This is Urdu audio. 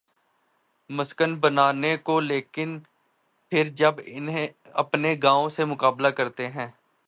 مسکن بنانے کو لیکن پھر جب اپنے گاؤں سے مقابلہ کرتے ہیں۔